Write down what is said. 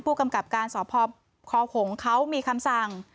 ผู้กำกับการสอบพอของเขามีคำสั่ง